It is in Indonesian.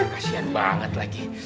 kasian banget lagi